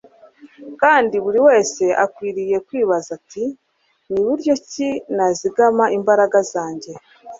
kandi buri wese akwiriye kwibaza ati, ni buryo ki nazigama imbaraga zanjye